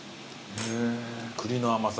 栗の甘さ。